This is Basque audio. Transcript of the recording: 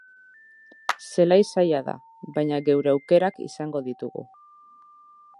Zelai zaila da, baina geure aukerak izango ditugu.